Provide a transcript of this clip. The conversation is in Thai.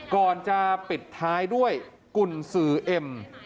ก่อนจะปิดท้ายด้วยกุญสือเอ็ม